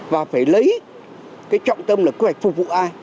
và phải lấy cái trọng tâm là quy hoạch phục vụ ai